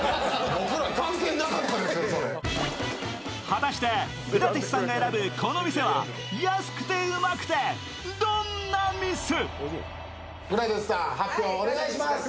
果たしてグラティスさんが選ぶ、この店は安くて、うまくて、どんな店？